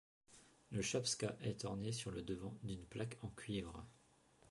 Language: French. Le chapska est orné sur le devant d'une plaque en cuivre.